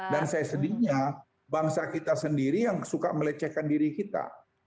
dan saya sendirinya bangsa kita sendiri yang suka melecehkan diri kita